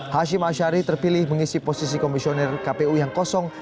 hashim ashari terpilih mengisi posisi komisioner kpu yang kosong